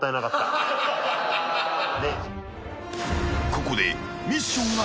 ［ここで］